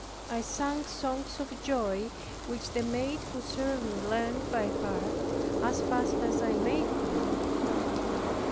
I sang songs of joy, which the maid who served me learned by heart, as fast as I made them.